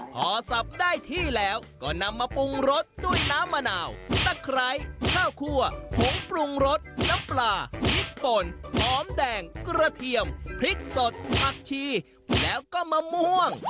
พอสับได้ที่แล้วก็นำมาปรุงรสด้วยน้ำมะนาวตะไคร้ข้าวคั่วผงปรุงรสน้ำปลาพริกป่นหอมแดงกระเทียมพริกสดผักชีแล้วก็มะม่วง